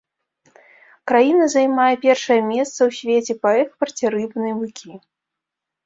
Краіна займае першае месца ў свеце па экспарце рыбнай мукі.